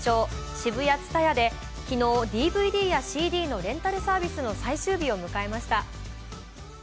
ＳＨＩＢＵＹＡＴＳＵＴＡＹＡで昨日ＤＶＤやＣＤのレンタルサービスの最終日を迎えました。